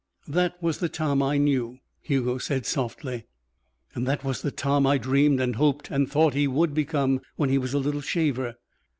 "That was the Tom I knew," Hugo said softly. "And that was the Tom I dreamed and hoped and thought he would become when he was a little shaver.